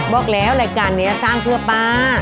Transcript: บอกแล้วรายการนี้สร้างเพื่อป้า